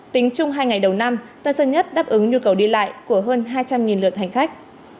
tính chung hai ngày đầu năm tân sơn nhất đáp ứng nhu cầu đi lại của hơn hai trăm linh lượt hành khách